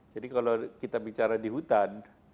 jadi kalau kita bicara di hutan